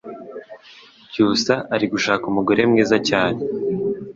cyusa ari gushaka umugore mwiza cyane